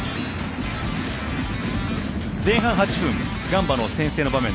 前半８分ガンバの先制の場面。